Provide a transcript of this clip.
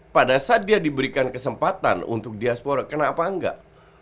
pada saat dia diberikan kesempatan untuk diaspora kenapa enggak